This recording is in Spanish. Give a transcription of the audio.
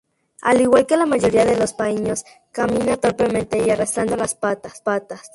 Al igual que la mayoría de los paíños, camina torpemente y arrastrando las patas.